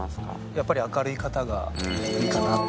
やっぱり明るい方がいいかなと。